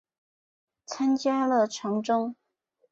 参加了长征。